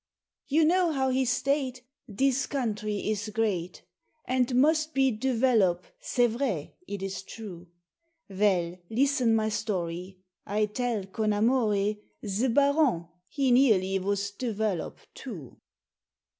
You know how he state Dis country is great? And most be duv velop, c'est vrai, it is true Vel, listen my story I tell con amore, Ze Baron he nearly vos duvvel op too.